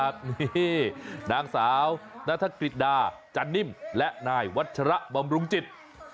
นี่นางสาวนัฐกฤษดาจันนิ่มและนายวัชระบำรุงจิต